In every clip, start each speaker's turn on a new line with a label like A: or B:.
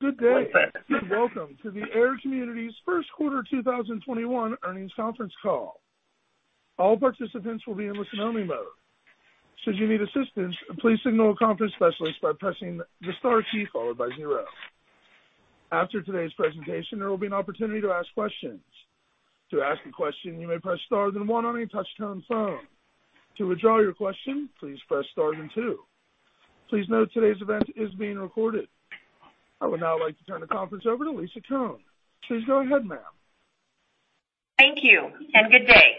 A: Good day, welcome to the AIR Communities' first quarter 2021 earnings conference call. All participants will be in listen-only mode. Should you need assistance, please signal a conference specialist by pressing the star key, followed by zero. After today's presentation, there will be an opportunity to ask questions. To ask a question, you may press star then one on any touch-tone phone. To withdraw your question, please press star then two. Please note today's event is being recorded. I would now like to turn the conference over to Lisa Cohn. Please go ahead, ma'am.
B: Thank you, and good day.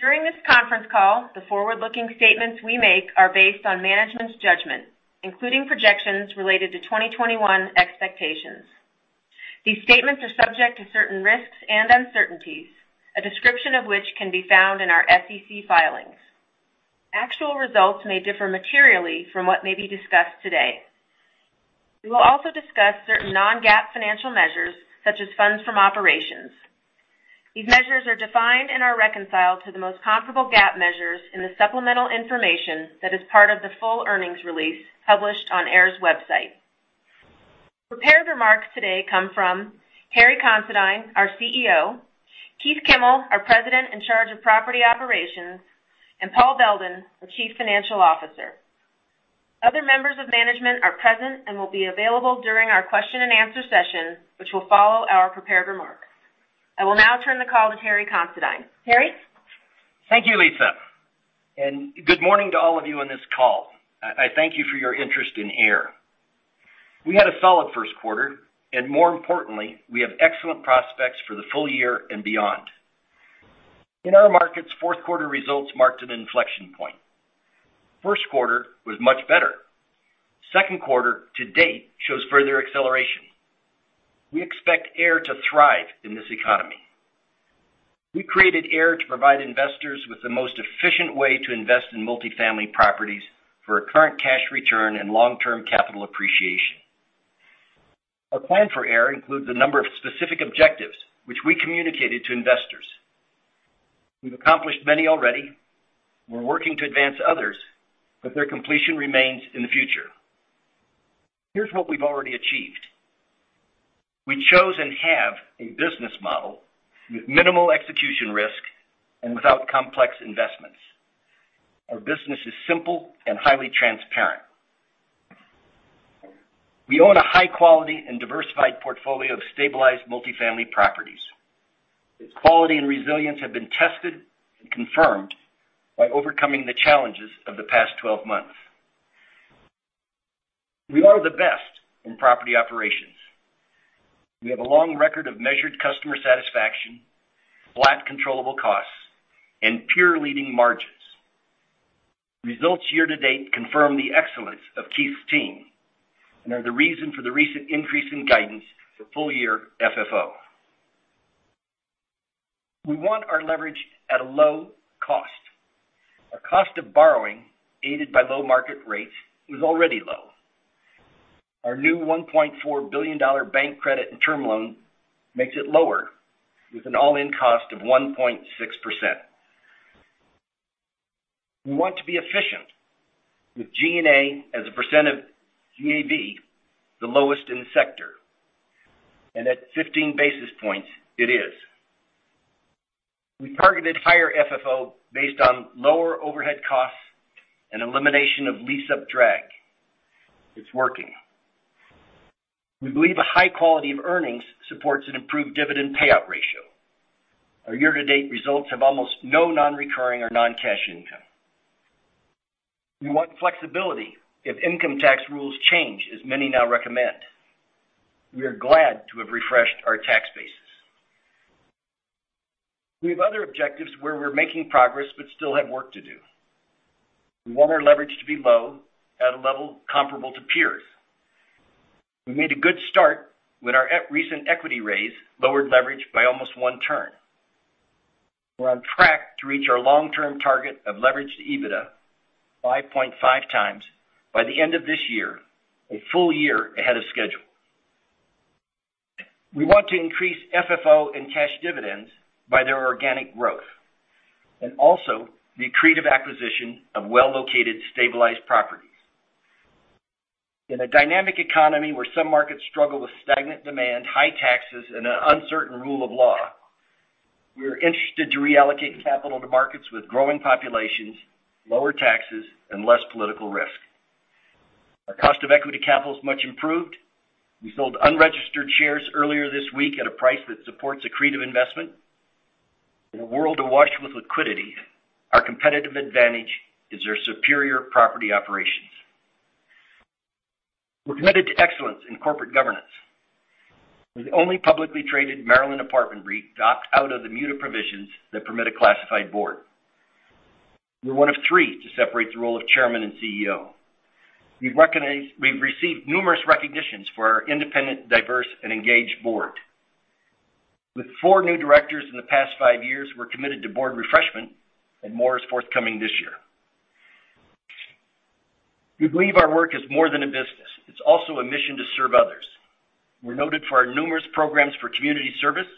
B: During this conference call, the forward-looking statements we make are based on management's judgment, including projections related to 2021 expectations. These statements are subject to certain risks and uncertainties, a description of which can be found in our SEC filings. Actual results may differ materially from what may be discussed today. We will also discuss certain non-GAAP financial measures, such as funds from operations. These measures are defined and are reconciled to the most comparable GAAP measures in the supplemental information that is part of the full earnings release published on AIR's website. Prepared remarks today come from Terry Considine, our CEO, Keith Kimmel, our President in charge of Property Operations, and Paul Beldin, the Chief Financial Officer. Other members of management are present and will be available during our question and answer session, which will follow our prepared remarks. I will now turn the call to Terry Considine. Terry?
C: Thank you, Lisa, good morning to all of you on this call. I thank you for your interest in AIR. We had a solid first quarter, more importantly, we have excellent prospects for the full-year and beyond. In our markets, fourth quarter results marked an inflection point. First quarter was much better. Second quarter to date shows further acceleration. We expect AIR to thrive in this economy. We created AIR to provide investors with the most efficient way to invest in multifamily properties for a current cash return and long-term capital appreciation. Our plan for AIR includes a number of specific objectives, which we communicated to investors. We've accomplished many already. We're working to advance others, their completion remains in the future. Here's what we've already achieved. We chose and have a business model with minimal execution risk and without complex investments. Our business is simple and highly transparent. We own a high-quality and diversified portfolio of stabilized multifamily properties. Its quality and resilience have been tested and confirmed by overcoming the challenges of the past 12 months. We are the best in property operations. We have a long record of measured customer satisfaction, flat controllable costs, and peer-leading margins. Results year to date confirm the excellence of Keith's team and are the reason for the recent increase in guidance for full-year FFO. We want our leverage at a low cost. Our cost of borrowing, aided by low market rates, was already low. Our new $1.4 billion bank credit and term loan makes it lower with an all-in cost of 1.6%. We want to be efficient with G&A as a percent of GAV, the lowest in the sector, and at 15 basis points it is. We targeted higher FFO based on lower overhead costs and elimination of lease-up drag. It's working. We believe a high quality of earnings supports an improved dividend payout ratio. Our year-to-date results have almost no non-recurring or non-cash income. We want flexibility if income tax rules change, as many now recommend. We are glad to have refreshed our tax bases. We have other objectives where we're making progress but still have work to do. We want our leverage to be low, at a level comparable to peers. We made a good start when our recent equity raise lowered leverage by almost one turn. We're on track to reach our long-term target of leverage to EBITDA 5.5x by the end of this year, a full-year ahead of schedule. We want to increase FFO and cash dividends by their organic growth, and also the accretive acquisition of well-located, stabilized properties. In a dynamic economy where some markets struggle with stagnant demand, high taxes, and an uncertain rule of law, we are interested to reallocate capital to markets with growing populations, lower taxes, and less political risk. Our cost of equity capital is much improved. We sold unregistered shares earlier this week at a price that supports accretive investment. In a world awash with liquidity, our competitive advantage is our superior property operations. We're committed to excellence in corporate governance. We're the only publicly traded Maryland apartment REIT docked out of the MUTA provisions that permit a classified board. We're one of three to separate the role of chairman and CEO. We've received numerous recognitions for our independent, diverse, and engaged board. With four new directors in the past five years, we're committed to board refreshment, and more is forthcoming this year. We believe our work is more than a business. It's also a mission to serve others. We're noted for our numerous programs for community service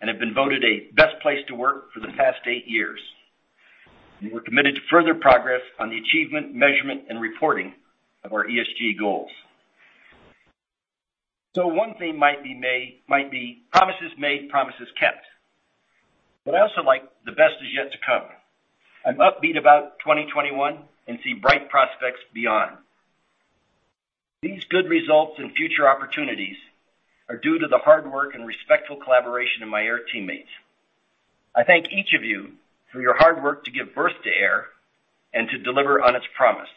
C: and have been voted a best place to work for the past eight years. We were committed to further progress on the achievement, measurement, and reporting of our ESG goals. One theme might be promises made, promises kept. I also like the best is yet to come. I'm upbeat about 2021 and see bright prospects beyond. These good results and future opportunities are due to the hard work and respectful collaboration of my AIR teammates. I thank each of you for your hard work to give birth to AIR and to deliver on its promise.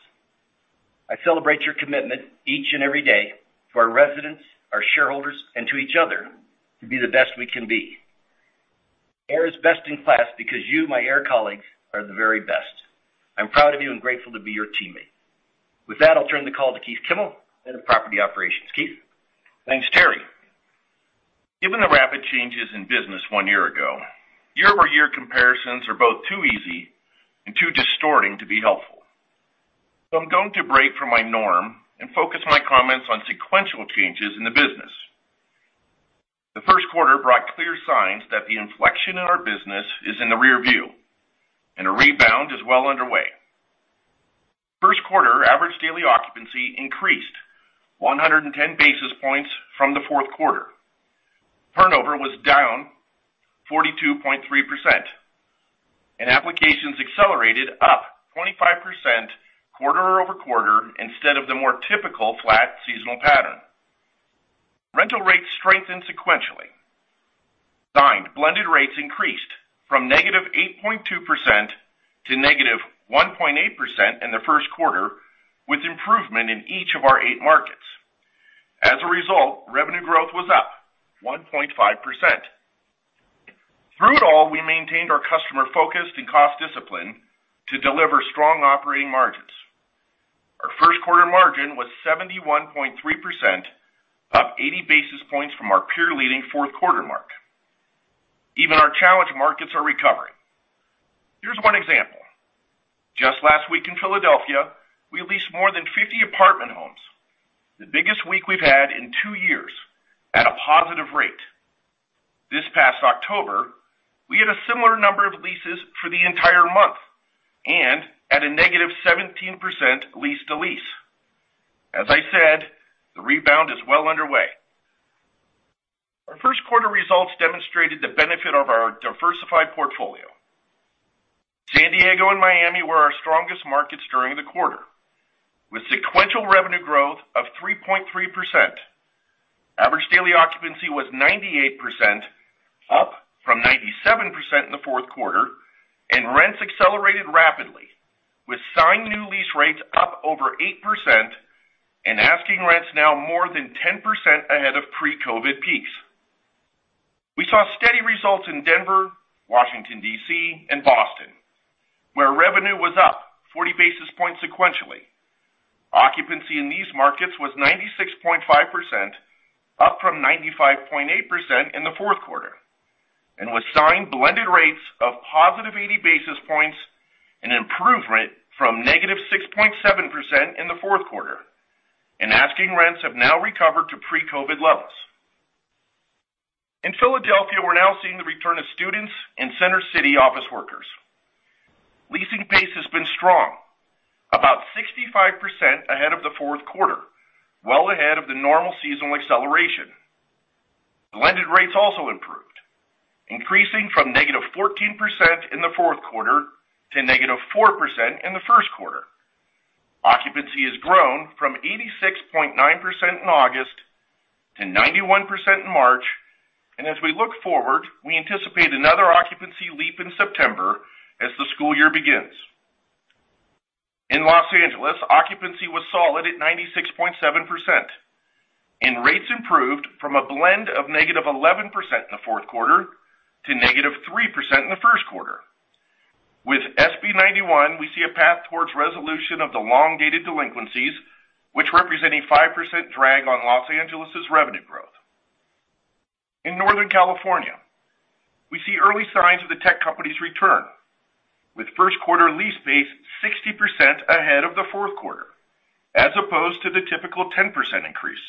C: I celebrate your commitment each and every day to our residents, our shareholders, and to each other to be the best we can be. AIR is best in class because you, my AIR colleagues, are the very best. I'm proud of you and grateful to be your teammate. With that, I'll turn the call to Keith Kimmel, head of property operations. Keith?
D: Thanks, Terry. Given the rapid changes in business one year ago, year-over-year comparisons are both too easy and too distorting to be helpful. I'm going to break from my norm and focus my comments on sequential changes in the business. The first quarter brought clear signs that the inflection in our business is in the rear view, and a rebound is well underway. First quarter average daily occupancy increased 110 basis points from the fourth quarter. Turnover was down 42.3%. Applications accelerated up 25% quarter-over-quarter instead of the more typical flat seasonal pattern. Rental rates strengthened sequentially. Signed blended rates increased from negative 8.2% to negative 1.8% in the first quarter, with improvement in each of our eight markets. As a result, revenue growth was up 1.5%. Through it all, we maintained our customer focus and cost discipline to deliver strong operating margins. Our first quarter margin was 71.3%, up 80 basis points from our peer-leading fourth quarter mark. Even our challenged markets are recovering. Here's one example. Just last week in Philadelphia, we leased more than 50 apartment homes, the biggest week we've had in two years, at a positive rate. This past October, we had a similar number of leases for the entire month, and at a -17% lease to lease. As I said, the rebound is well underway. Our first quarter results demonstrated the benefit of our diversified portfolio. San Diego and Miami were our strongest markets during the quarter, with sequential revenue growth of 3.3%. Average daily occupancy was 98%, up from 97% in the fourth quarter, and rents accelerated rapidly, with signed new lease rates up over 8% and asking rents now more than 10% ahead of pre-COVID peaks. We saw steady results in Denver, Washington, D.C., and Boston, where revenue was up 40 basis points sequentially. Occupancy in these markets was 96.5%, up from 95.8% in the fourth quarter, with signed blended rates of +80 basis points, an improvement from -6.7% in the fourth quarter. Asking rents have now recovered to pre-COVID levels. In Philadelphia, we're now seeing the return of students and Center City office workers. Leasing pace has been strong, about 65% ahead of the fourth quarter, well ahead of the normal seasonal acceleration. Blended rates also improved, increasing from -14% in the fourth quarter to -4% in the first quarter. Occupancy has grown from 86.9% in August to 91% in March. As we look forward, we anticipate another occupancy leap in September as the school year begins. In Los Angeles, occupancy was solid at 96.7%. Rates improved from a blend of -11% in the fourth quarter to -3% in the first quarter. With SB 91, we see a path towards resolution of the long-dated delinquencies, which represent a 5% drag on Los Angeles' revenue growth. In Northern California, we see early signs of the tech company's return, with first quarter lease pace 60% ahead of the fourth quarter, as opposed to the typical 10% increase.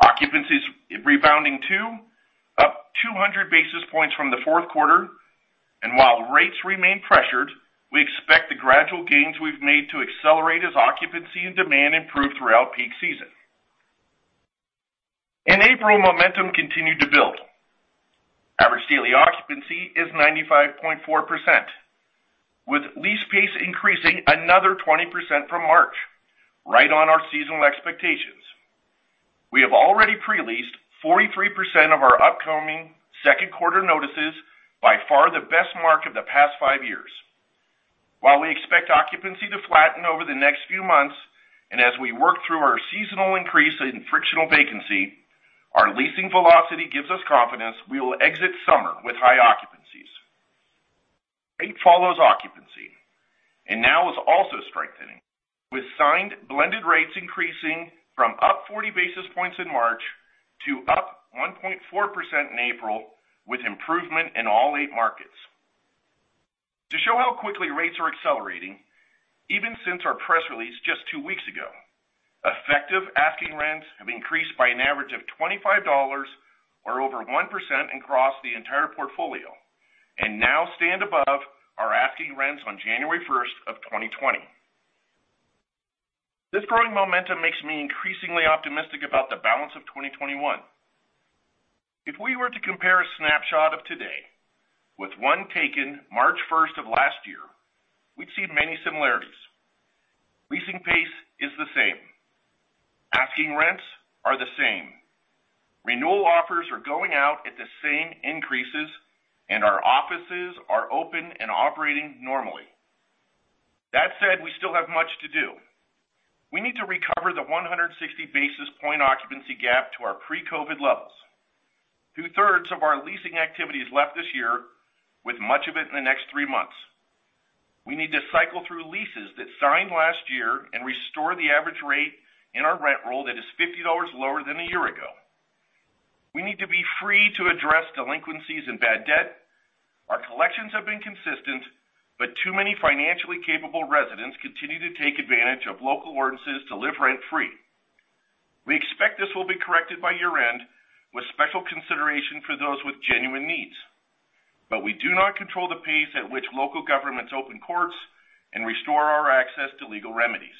D: Occupancy is rebounding too, up 200 basis points from the fourth quarter. While rates remain pressured, we expect the gradual gains we've made to accelerate as occupancy and demand improve throughout peak season. In April, momentum continued to build. Average daily occupancy is 95.4%, with lease pace increasing another 20% from March, right on our seasonal expectations. We have already pre-leased 43% of our upcoming second quarter notices, by far the best mark of the past five years. While we expect occupancy to flatten over the next few months, and as we work through our seasonal increase in frictional vacancy, our leasing velocity gives us confidence we will exit summer with high occupancies. Rate follows occupancy, and now is also strengthening, with signed blended rates increasing from up 40 basis points in March to up 1.4% in April, with improvement in all eight markets. To show how quickly rates are accelerating, even since our press release just two weeks ago, effective asking rents have increased by an average of $25, or over 1% across the entire portfolio, and now stand above our asking rents on January 1st of 2020. This growing momentum makes me increasingly optimistic about the balance of 2021. If we were to compare a snapshot of today with one taken March 1st of last year, we'd see many similarities. Leasing pace is the same. Asking rents are the same. Renewal offers are going out at the same increases, and our offices are open and operating normally. That said, we still have much to do. We need to recover the 160 basis point occupancy gap to our pre-COVID levels. Two-thirds of our leasing activity is left this year, with much of it in the next three months. We need to cycle through leases that signed last year and restore the average rate in our rent roll that is $50 lower than a year ago. We need to be free to address delinquencies and bad debt. Our collections have been consistent, but too many financially capable residents continue to take advantage of local ordinances to live rent-free. We expect this will be corrected by year-end with special consideration for those with genuine needs. We do not control the pace at which local governments open courts and restore our access to legal remedies.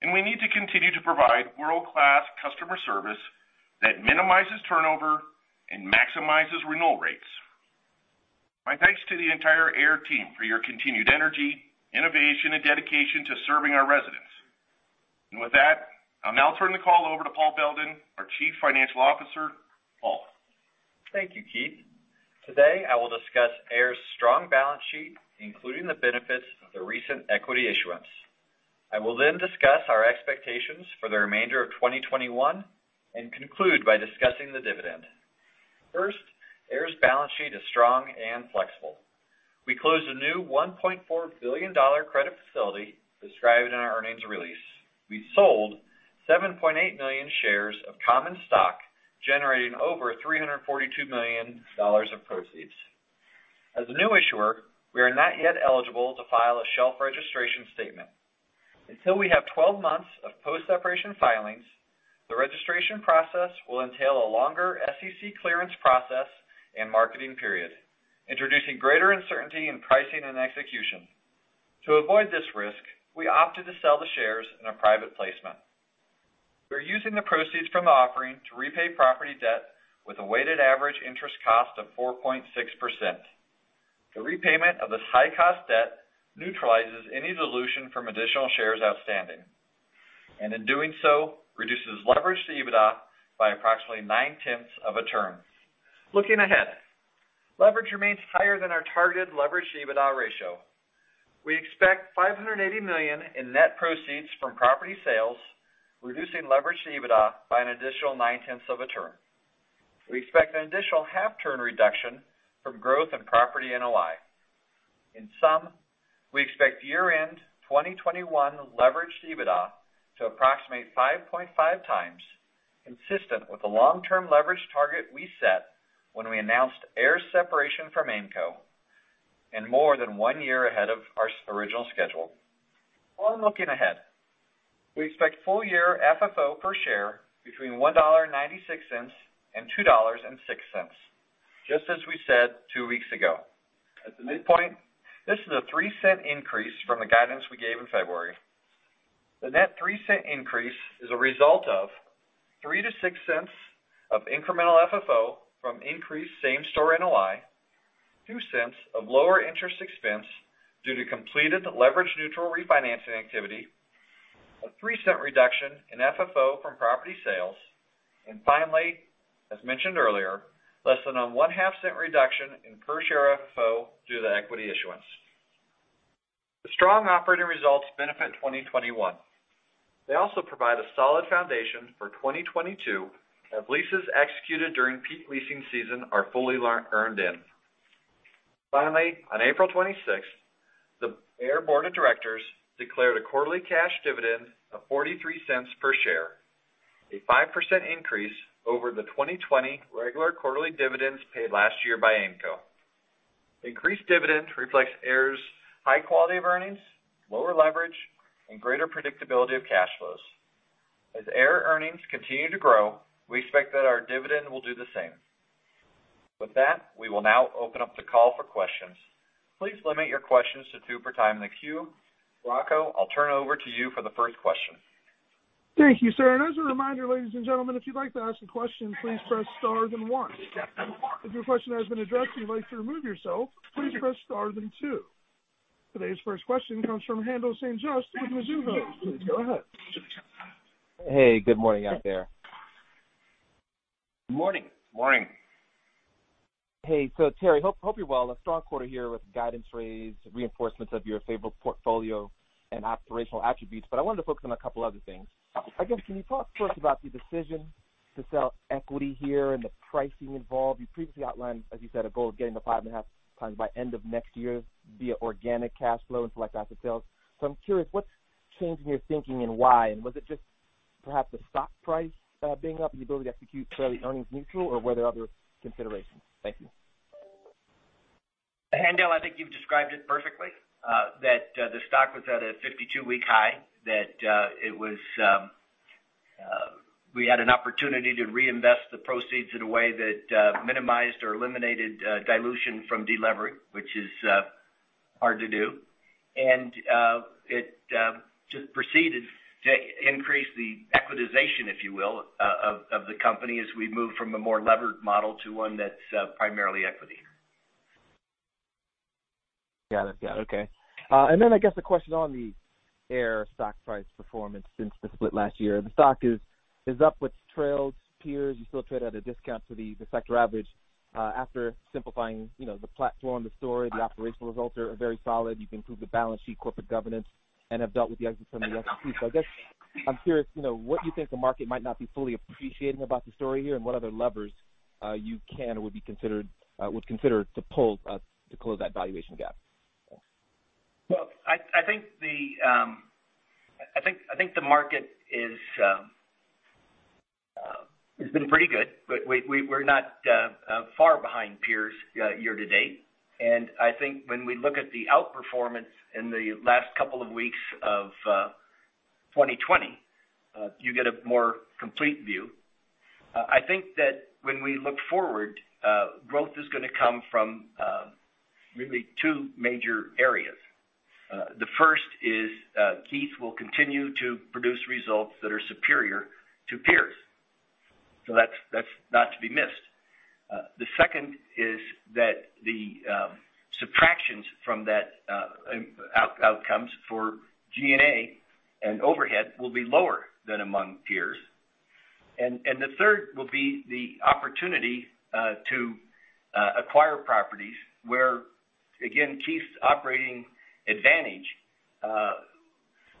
D: We need to continue to provide world-class customer service that minimizes turnover and maximizes renewal rates. My thanks to the entire AIR team for your continued energy, innovation, and dedication to serving our residents. With that, I'll now turn the call over to Paul Beldin, our Chief Financial Officer. Paul.
E: Thank you, Keith. Today, I will discuss AIR's strong balance sheet, including the benefits of the recent equity issuance. I will then discuss our expectations for the remainder of 2021 and conclude by discussing the dividend. First, AIR's balance sheet is strong and flexible. We closed a new $1.4 billion credit facility described in our earnings release. We sold 7.8 million shares of common stock, generating over $342 million of proceeds. As a new issuer, we are not yet eligible to file a shelf registration statement. Until we have 12 months of post-separation filings, the registration process will entail a longer SEC clearance process and marketing period, introducing greater uncertainty in pricing and execution. To avoid this risk, we opted to sell the shares in a private placement. We're using the proceeds from the offering to repay property debt with a weighted average interest cost of 4.6%. The repayment of this high-cost debt neutralizes any dilution from additional shares outstanding, and in doing so, reduces leverage to EBITDA by approximately nine-tenths of a turn. Looking ahead, leverage remains higher than our targeted leverage to EBITDA ratio. We expect $580 million in net proceeds from property sales, reducing leverage to EBITDA by an additional nine-tenths of a turn. We expect an additional half-turn reduction from growth in property NOI. In sum, we expect year-end 2021 leverage to EBITDA to approximate 5.5x, consistent with the long-term leverage target we set when we announced AIR's separation from Aimco, and more than one year ahead of our original schedule. On looking ahead, we expect full-year FFO per share between $1.96 and $2.06, just as we said two weeks ago. At the midpoint, this is a $0.03 increase from the guidance we gave in February. The net $0.03 increase is a result of $0.03-$0.06 of incremental FFO from increased same-store NOI, $0.02 of lower interest expense due to completed leverage neutral refinancing activity, a $0.03 reduction in FFO from property sales, and finally, as mentioned earlier, less than a $0.005 reduction in per share FFO due to the equity issuance. The strong operating results benefit 2021. They also provide a solid foundation for 2022 as leases executed during peak leasing season are fully earned in. On April 26th, the AIR board of directors declared a quarterly cash dividend of $0.43 per share, a 5% increase over the 2020 regular quarterly dividends paid last year by Aimco. Increased dividends reflects AIR's high quality of earnings, lower leverage, and greater predictability of cash flows. As AIR earnings continue to grow, we expect that our dividend will do the same. With that, we will now open up the call for questions. Please limit your questions to two per time in the queue. Rocco, I'll turn it over to you for the first question.
A: Thank you, sir. As a reminder, ladies and gentlemen, if you'd like to ask a question, please press star then one. If your question has been addressed and you'd like to remove yourself, please press star then two. Today's first question comes from Haendel St. Juste with Mizuho. Please go ahead.
F: Hey, good morning out there.
C: Morning.
F: Hey. Terry, hope you're well. A strong quarter here with guidance raised, reinforcements of your favorable portfolio and operational attributes. I wanted to focus on a couple other things. I guess, can you talk to us about the decision to sell equity here and the pricing involved? You previously outlined, as you said, a goal of getting to 5.5x by end of next year via organic cash flow and select asset sales. I'm curious, what's changed in your thinking and why? Was it just perhaps the stock price being up and your ability to execute fairly earnings neutral or were there other considerations? Thank you.
C: Haendel, I think you've described it perfectly, that the stock was at a 52-week high, that we had an opportunity to reinvest the proceeds in a way that minimized or eliminated dilution from delevering, which is hard to do. It just proceeded to increase the equitization, if you will, of the company as we moved from a more levered model to one that's primarily equity.
F: Got it. Okay. I guess the question on the AIRC stock price performance since the split last year. The stock is up with trailed peers. You still trade at a discount to the sector average. After simplifying the platform, the story, the operational results are very solid. You've improved the balance sheet, corporate governance, and have dealt with the exits from the equity. I guess I'm curious to know what you think the market might not be fully appreciating about the story here, and what other levers you can or would consider to pull to close that valuation gap?
C: Well, I think the market has been pretty good. We're not far behind peers year to date. I think when we look at the outperformance in the last couple of weeks of 2020, you get a more complete view. I think that when we look forward, growth is going to come from really two major areas. The first is Keith will continue to produce results that are superior to peers. So that's not to be missed. The second is that the subtractions from that outcomes for G&A and overhead will be lower than among peers. The third will be the opportunity to acquire properties where, again, Keith's operating advantage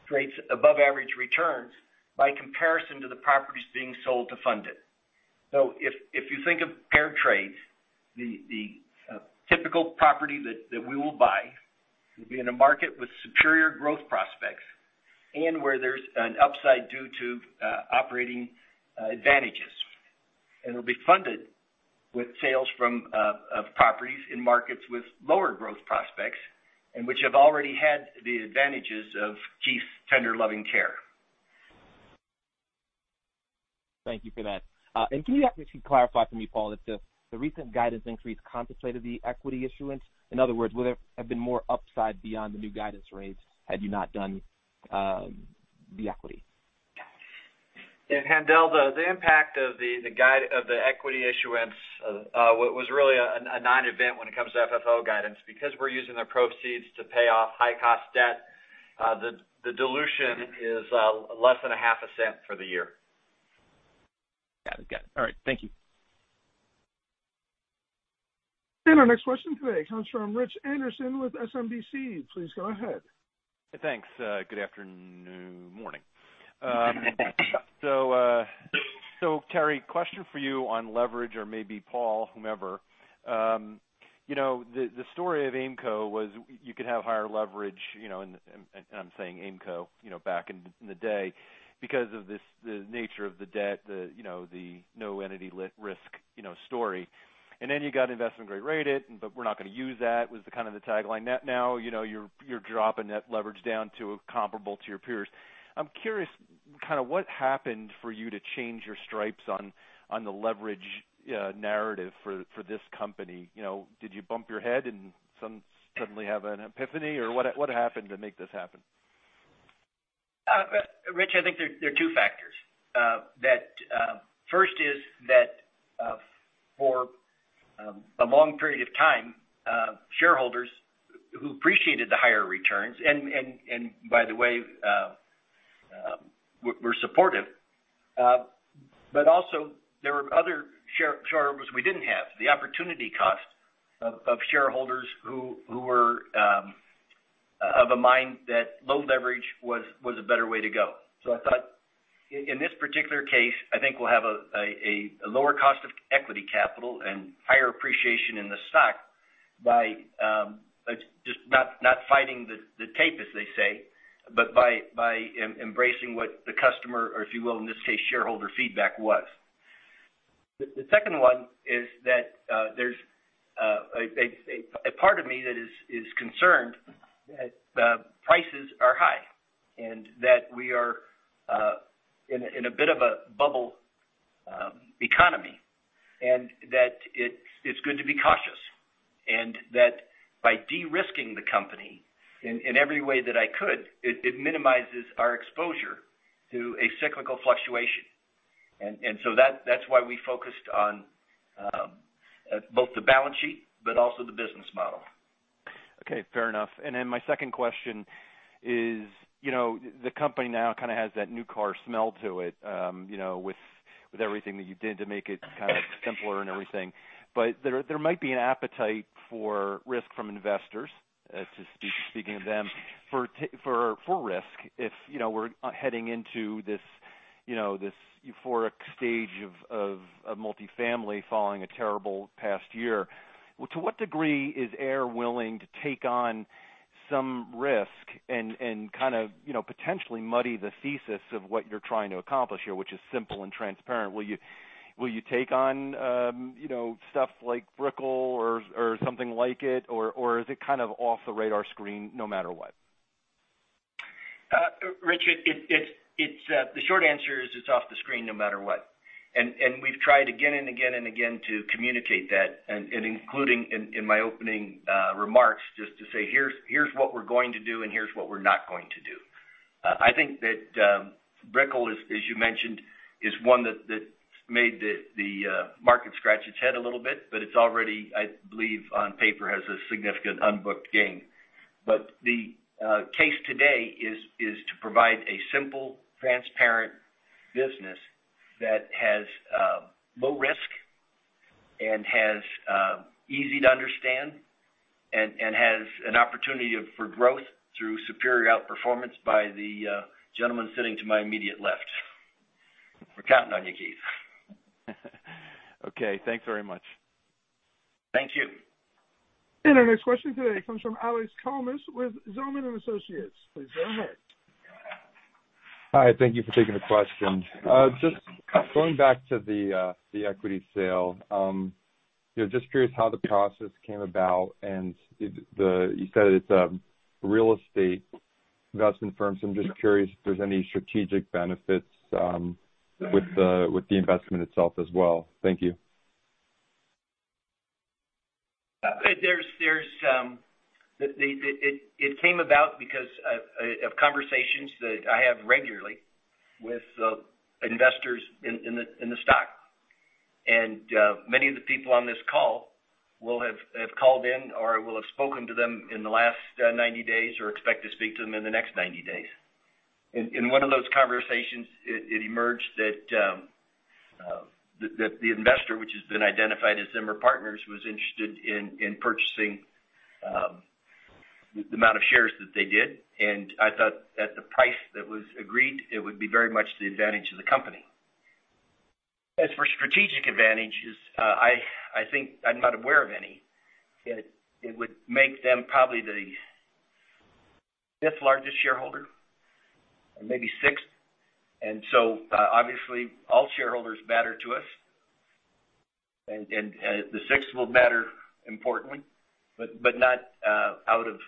C: creates above average returns by comparison to the properties being sold to fund it. If you think of paired trades, the typical property that we will buy will be in a market with superior growth prospects and where there's an upside due to operating advantages. It'll be funded with sales from properties in markets with lower growth prospects, and which have already had the advantages of Keith's tender loving care.
F: Thank you for that. Can you actually clarify for me, Paul, if the recent guidance increase contemplated the equity issuance? In other words, would there have been more upside beyond the new guidance rates had you not done the equity?
E: Yeah. Haendel, the impact of the equity issuance was really a non-event when it comes to FFO guidance. Because we're using the proceeds to pay off high-cost debt, the dilution is less than a half a cent for the year.
F: Got it. All right. Thank you.
A: Our next question today comes from Rich Anderson with SMBC. Please go ahead.
G: Thanks. Good afternoon. Morning. Terry, question for you on leverage, or maybe Paul, whomever. The story of Aimco was you could have higher leverage, and I'm saying Aimco back in the day, because of the nature of the debt, the no entity risk story. You got investment grade rated, but we're not going to use that was kind of the tagline. Now, you're dropping that leverage down to comparable to your peers. I'm curious what happened for you to change your stripes on the leverage narrative for this company. Did you bump your head and suddenly have an epiphany, or what happened to make this happen?
C: Rich, I think there are two factors. First is that for a long period of time, shareholders who appreciated the higher returns, and by the way, were supportive. Also there were other shareholders we didn't have. The opportunity cost of shareholders who were of a mind that low leverage was a better way to go. I thought in this particular case, I think we'll have a lower cost of equity capital and higher appreciation in the stock by just not fighting the tape, as they say, but by embracing what the customer, or if you will, in this case, shareholder feedback was. The second one is that there's a part of me that is concerned that prices are high, and that we are in a bit of a bubble economy, and that it's good to be cautious, and that by de-risking the company in every way that I could, it minimizes our exposure to a cyclical fluctuation. That's why we focused on both the balance sheet but also the business model.
G: Okay. Fair enough. My second question is, the company now kind of has that new car smell to it with everything that you did to make it kind of simpler and everything. There might be an appetite for risk from investors, speaking of them, for risk if we're heading into this euphoric stage of multifamily following a terrible past year. To what degree is AIR willing to take on some risk and potentially muddy the thesis of what you're trying to accomplish here, which is simple and transparent. Will you take on stuff like Brickell or something like it, or is it off the radar screen no matter what?
C: Richard, the short answer is it's off the screen no matter what. We've tried again and again and again to communicate that, and including in my opening remarks, just to say, Here's what we're going to do and here's what we're not going to do. I think that Brickell, as you mentioned, is one that made the market scratch its head a little bit, but it's already, I believe, on paper, has a significant unbooked gain. The case today is to provide a simple, transparent business that has low risk, and has easy to understand, and has an opportunity for growth through superior outperformance by the gentleman sitting to my immediate left. We're counting on you, Keith.
G: Okay, thanks very much.
C: Thank you.
A: Our next question today comes from Alexander Kalmus with Zelman & Associates. Please go ahead.
H: Hi. Thank you for taking the question. Just going back to the equity sale. Just curious how the process came about and you said it's a real estate investment firm, so I'm just curious if there's any strategic benefits with the investment itself as well. Thank you.
C: It came about because of conversations that I have regularly with investors in the stock. Many of the people on this call will have called in or will have spoken to them in the last 90 days, or expect to speak to them in the next 90 days. In one of those conversations, it emerged that the investor, which has been identified as Zimmer Partners, was interested in purchasing the amount of shares that they did. I thought at the price that was agreed, it would be very much to the advantage of the company. As for strategic advantages, I think I'm not aware of any. It would make them probably the fifth largest shareholder, or maybe sixth. Obviously all shareholders matter to us, and the sixth will matter importantly, but not out of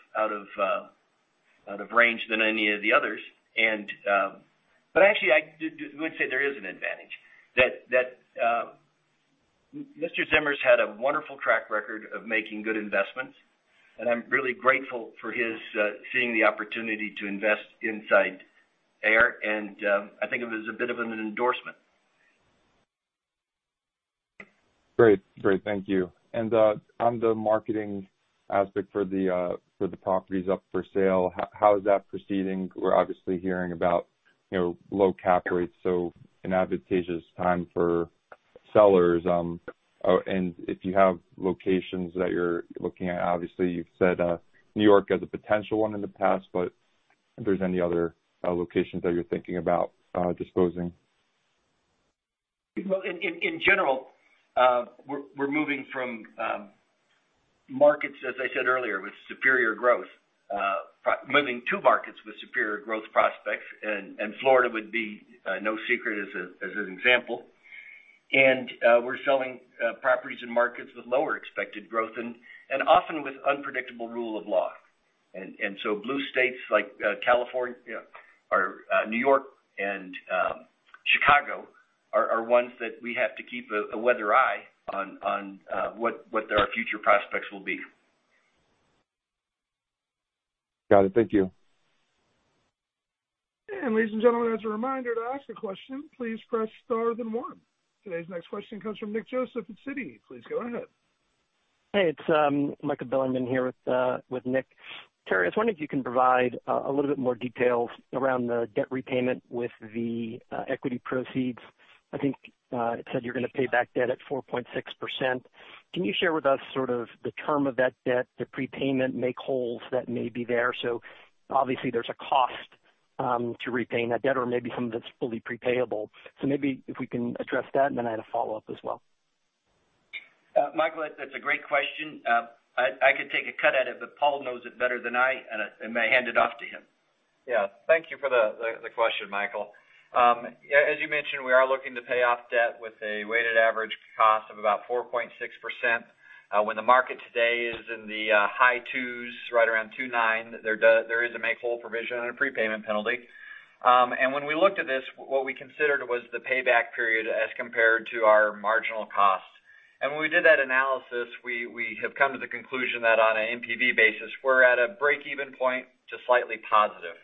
C: range than any of the others. Actually, I would say there is an advantage that Stuart Zimmer's had a wonderful track record of making good investments, and I'm really grateful for his seeing the opportunity to invest inside AIR, and I think of it as a bit of an endorsement.
H: Great. Thank you. On the marketing aspect for the properties up for sale, how is that proceeding? We're obviously hearing about low cap rates, so an advantageous time for sellers. If you have locations that you're looking at, obviously you've said New York as a potential one in the past, but if there's any other locations that you're thinking about disposing?
C: Well, in general, we're moving from markets, as I said earlier, with superior growth. Moving to markets with superior growth prospects, Florida would be no secret as an example. We're selling properties in markets with lower expected growth and often with unpredictable rule of law. Blue states like California or New York and Chicago are ones that we have to keep a weather eye on what their future prospects will be.
H: Got it. Thank you.
A: Ladies and gentlemen, as a reminder, to ask a question, please press star then one. Today's next question comes from Nick Joseph at Citi. Please go ahead.
I: Hey, it's Michael Bilerman here with Nick. Terry, I was wondering if you can provide a little bit more details around the debt repayment with the equity proceeds. I think it said you're going to pay back debt at 4.6%. Can you share with us sort of the term of that debt, the prepayment make-wholes that may be there? Obviously there's a cost to repaying that debt or maybe some of it's fully pre-payable. Maybe if we can address that, and then I had a follow-up as well.
C: Michael, that's a great question. I could take a cut at it, but Paul knows it better than I, and I hand it off to him.
E: Yeah. Thank you for the question, Michael. As you mentioned, we are looking to pay off debt with a weighted average cost of about 4.6%, when the market today is in the high twos, right around 2.9%. There is a make-whole provision and a prepayment penalty. When we looked at this, what we considered was the payback period as compared to our marginal cost. When we did that analysis, we have come to the conclusion that on an NPV basis, we're at a break-even point to slightly positive.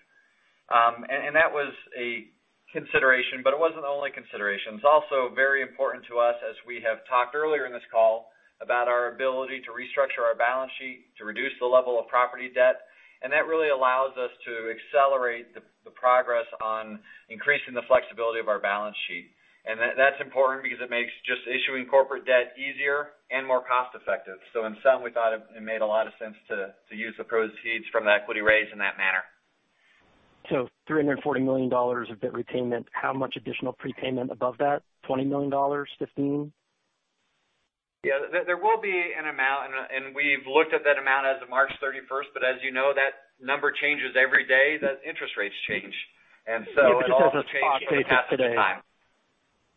E: That was a consideration, but it wasn't the only consideration. It's also very important to us, as we have talked earlier in this call, about our ability to restructure our balance sheet, to reduce the level of property debt. That really allows us to accelerate the progress on increasing the flexibility of our balance sheet. That's important because it makes just issuing corporate debt easier and more cost-effective. In sum, we thought it made a lot of sense to use the proceeds from that equity raise in that manner.
I: $340 million of debt repayment, how much additional prepayment above that? $20 million? $15?
C: Yeah. There will be an amount, and we've looked at that amount as of March 31st, but as you know, that number changes every day, that interest rates change.
I: Yeah, just as a spot basis today.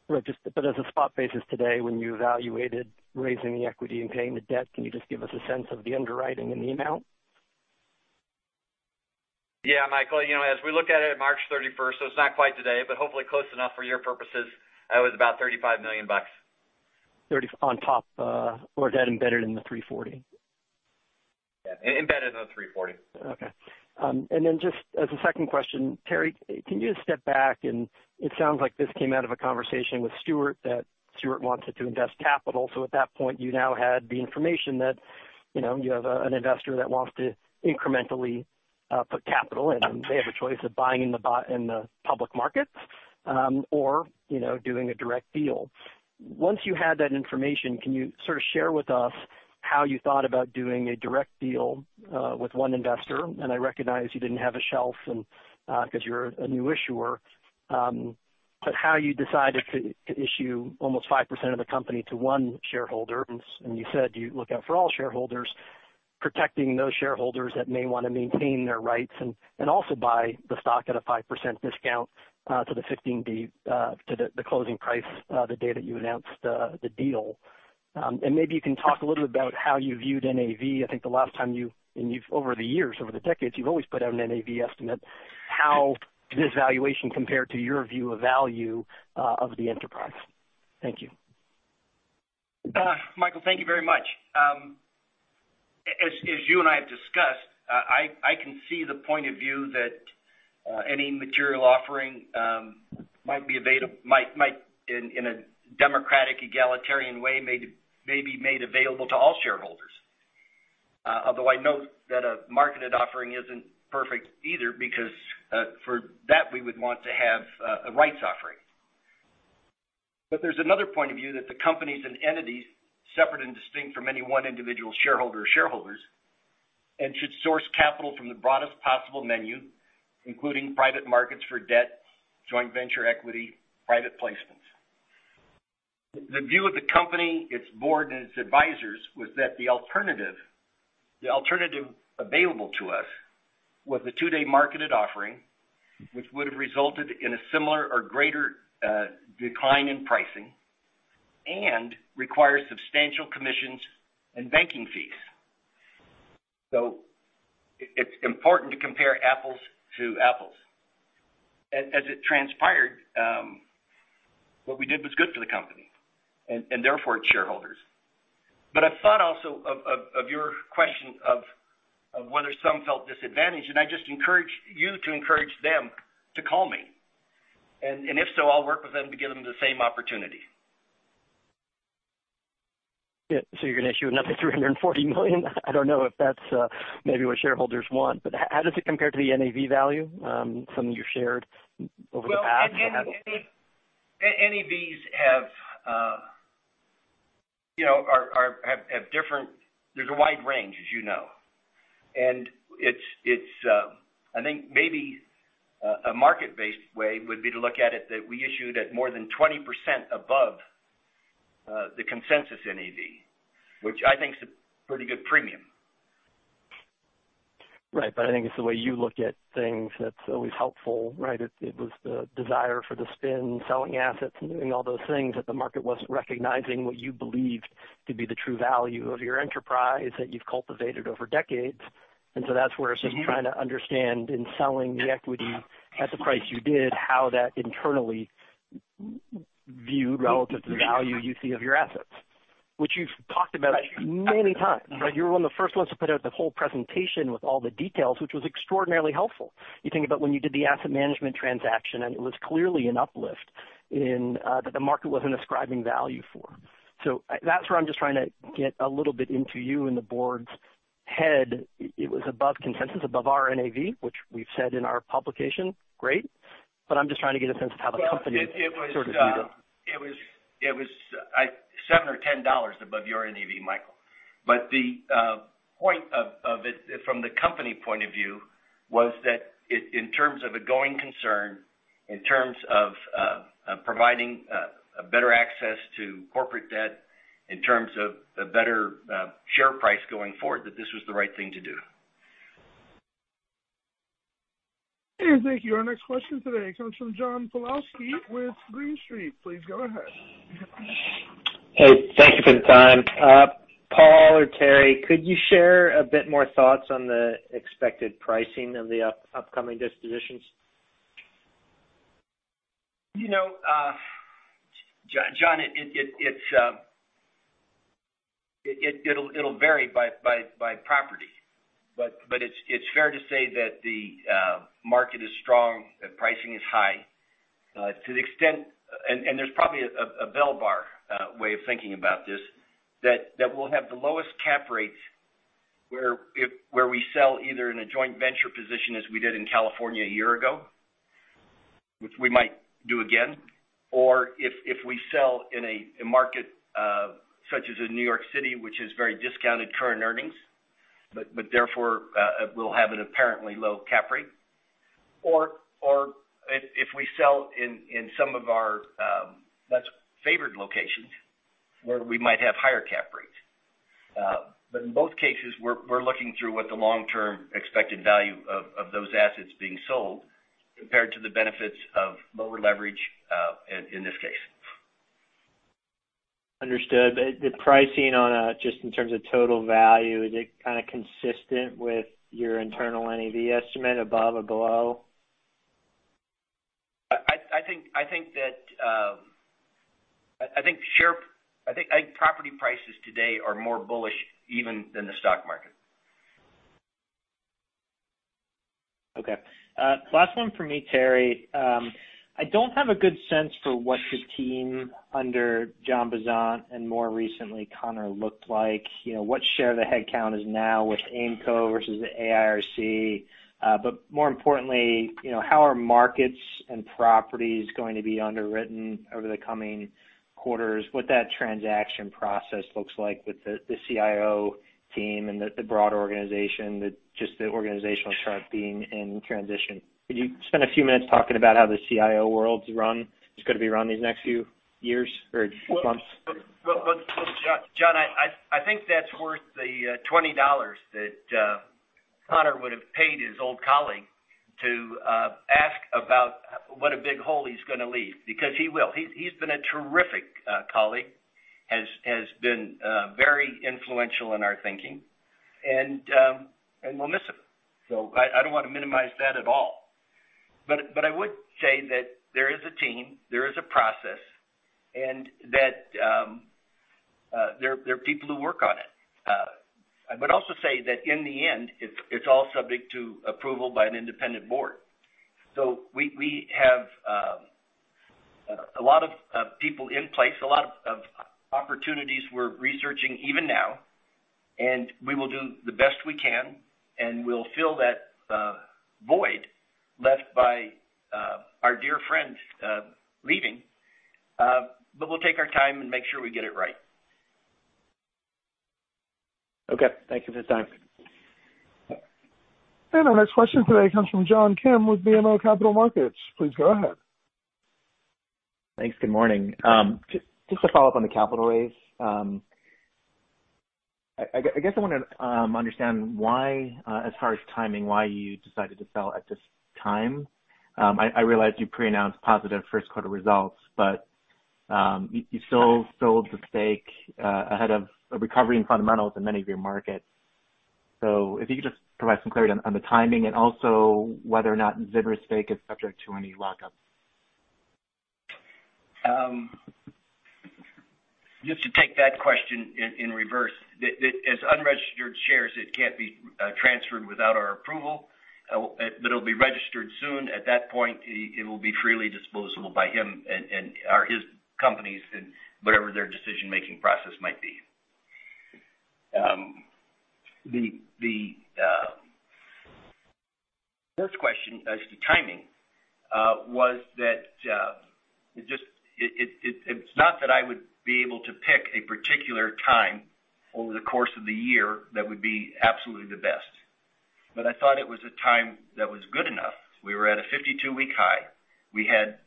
I: Right. As a spot basis today, when you evaluated raising the equity and paying the debt, can you just give us a sense of the underwriting and the amount?
C: Michael, as we look at it at March 31st, so it is not quite today, but hopefully close enough for your purposes, it was about $35 million.
I: 30 on top, or is that embedded in the 340?
C: Yeah, embedded in the $340.
I: Okay. Just as a second question, Terry, can you just step back, and it sounds like this came out of a conversation with Stuart, that Stuart wanted to invest capital. At that point, you now had the information that you have an investor that wants to incrementally put capital in, and they have a choice of buying in the public markets, or doing a direct deal. Once you had that information, can you sort of share with us how you thought about doing a direct deal with one investor? I recognize you didn't have a shelf, because you're a new issuer, but how you decided to issue almost 5% of the company to one shareholder. You said you look out for all shareholders, protecting those shareholders that may want to maintain their rights, and also buy the stock at a 5% discount to the closing price, the day that you announced the deal. Maybe you can talk a little bit about how you viewed NAV. I think the last time you, and over the years, over the decades, you've always put out an NAV estimate. How did this valuation compare to your view of value of the enterprise? Thank you.
C: Michael, thank you very much. As you and I have discussed, I can see the point of view that any material offering might, in a democratic egalitarian way, may be made available to all shareholders. I know that a marketed offering isn't perfect either, because for that, we would want to have a rights offering. There's another point of view that the companies and entities separate and distinct from any one individual shareholder or shareholders, and should source capital from the broadest possible menu, including private markets for debt, joint venture equity, private placements. The view of the company, its board, and its advisors was that the alternative available to us was the two-day marketed offering, which would've resulted in a similar or greater decline in pricing and require substantial commissions and banking fees. It's important to compare apples to apples. As it transpired, what we did was good for the company and therefore its shareholders. I thought also of your question of whether some felt disadvantaged, and I just encourage you to encourage them to call me. If so, I'll work with them to give them the same opportunity.
I: Yeah. You're going to issue another $340 million? I don't know if that's maybe what shareholders want. How does it compare to the NAV value, something you shared over the past?
C: Well, NAVs have a wide range, as you know. I think maybe a market-based way would be to look at it that we issued at more than 20% above the consensus NAV, which I think is a pretty good premium.
I: I think it's the way you look at things that's always helpful, right? It was the desire for the spin, selling assets, and doing all those things that the market wasn't recognizing what you believed to be the true value of your enterprise that you've cultivated over decades. That's where I'm just trying to understand in selling the equity at the price you did, how that internally viewed relative to the value you see of your assets, which you've talked about many times, right? You were one of the first ones to put out the whole presentation with all the details, which was extraordinarily helpful. You think about when you did the asset management transaction, it was clearly an uplift in that the market wasn't ascribing value for. That's where I'm just trying to get a little bit into you and the board's head. It was above consensus, above our NAV, which we've said in our publication. Great. I'm just trying to get a sense of how the company sort of viewed it.
C: It was $7 or $10 above your NAV, Michael. The point of it from the company point of view was that in terms of a going concern, in terms of providing a better access to corporate debt, in terms of a better share price going forward, that this was the right thing to do.
A: Thank you. Our next question today comes from John Pawlowski with Green Street. Please go ahead.
J: Hey, thank you for the time. Paul or Terry, could you share a bit more thoughts on the expected pricing of the upcoming dispositions?
C: John, it'll vary by property. It's fair to say that the market is strong, that pricing is high. There's probably a bell curve way of thinking about this, that we'll have the lowest cap rates where we sell either in a joint venture position as we did in California a year ago, which we might do again. If we sell in a market, such as in New York City, which is very discounted current earnings, but therefore, we'll have an apparently low cap rate. If we sell in some of our less favored locations, where we might have higher Cap rates. In both cases, we're looking through what the long-term expected value of those assets being sold compared to the benefits of lower leverage, in this case.
J: Understood. The pricing on a, just in terms of total value, is it consistent with your internal NAV estimate, above or below?
C: I think property prices today are more bullish even than the stock market.
J: Okay. Last one from me, Terry. I don't have a good sense for what the team under John Bezzant and more recently Conor looked like. What share of the headcount is now with Aimco versus AIRC? More importantly, how are markets and properties going to be underwritten over the coming quarters? What that transaction process looks like with the CIO team and the broader organization, just the organizational chart being in transition. Could you spend a few minutes talking about how the CIO world's run is going to be run these next few years or months?
C: John, I think that's worth the $20 that Conor would have paid his old colleague to ask about what a big hole he's going to leave, because he will. He's been a terrific colleague, has been very influential in our thinking, and we'll miss him. I don't want to minimize that at all. I would say that there is a team, there is a process, and that there are people who work on it. I would also say that in the end, it's all subject to approval by an independent board. We have a lot of people in place, a lot of opportunities we're researching even now, and we will do the best we can, and we'll fill that void left by our dear friend leaving. We'll take our time and make sure we get it right.
J: Okay. Thank you for the time.
A: Our next question today comes from John Kim with BMO Capital Markets. Please go ahead.
K: Thanks. Good morning. Just to follow up on the capital raise. I guess I want to understand why, as far as timing, why you decided to sell at this time. I realize you pre-announced positive first quarter results, but you still sold the stake ahead of a recovery in fundamentals in many of your markets. If you could just provide some clarity on the timing and also whether or not Zimmer's stake is subject to any lockup.
C: Just to take that question in reverse, as unregistered shares, it can't be transferred without our approval. It'll be registered soon. At that point, it will be freely disposable by him and/or his companies and whatever their decision-making process might be. The first question as to timing was that it's not that I would be able to pick a particular time over the course of the year that would be absolutely the best, but I thought it was a time that was good enough. We were at a 52-week high. We had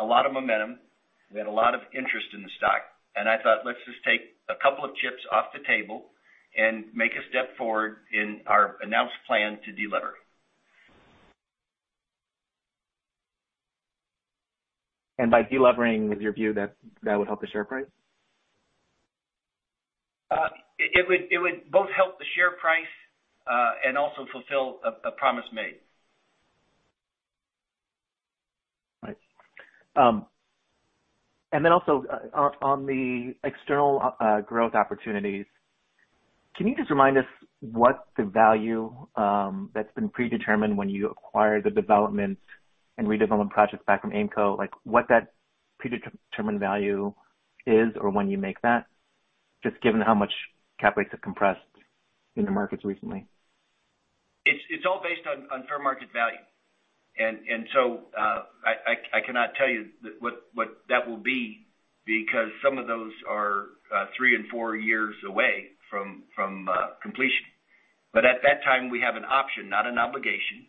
C: a lot of momentum. We had a lot of interest in the stock. I thought, let's just take a couple of chips off the table and make a step forward in our announced plan to delever.
K: By delevering, is it your view that that would help the share price?
C: It would both help the share price and also fulfill a promise made.
K: Right. Then also on the external growth opportunities, can you just remind us what the value that's been predetermined when you acquired the development and redevelopment projects back from Aimco, like what that predetermined value is or when you make that, just given how much cap rates have compressed in the markets recently?
C: It's all based on fair market value. I cannot tell you what that will be because some of those are three and four years away from completion. At that time, we have an option, not an obligation,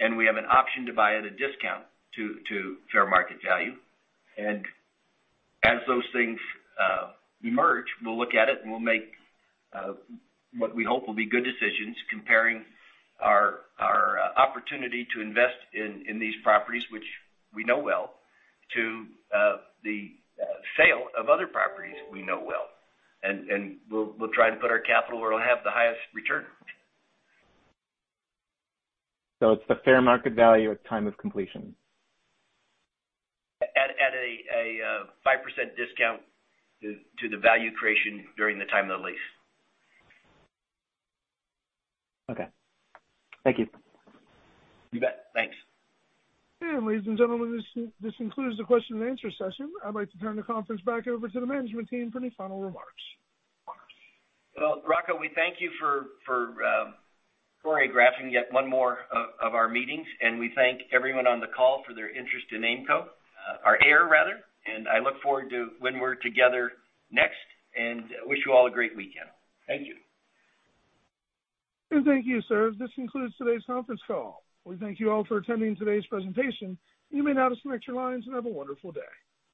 C: and we have an option to buy at a discount to fair market value. As those things emerge, we'll look at it, and we'll make what we hope will be good decisions comparing our opportunity to invest in these properties, which we know well, to the sale of other properties we know well. We'll try and put our capital where it'll have the highest return.
K: It's the fair market value at time of completion.
C: At a 5% discount to the value creation during the time of the lease.
K: Okay. Thank you.
C: You bet. Thanks.
A: Ladies and gentlemen, this concludes the question-and-answer session. I'd like to turn the conference back over to the management team for any final remarks.
C: Well, Rocco, we thank you for choreographing yet one more of our meetings, and we thank everyone on the call for their interest in Aimco, or AIR rather. I look forward to when we're together next and wish you all a great weekend. Thank you.
A: And thank you, sir. This concludes today's conference call. We thank you all for attending today's presentation. You may now disconnect your lines and have a wonderful day.